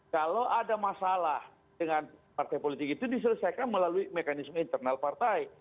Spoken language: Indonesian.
kalau ada masalah dengan partai politik itu diselesaikan melalui mekanisme internal partai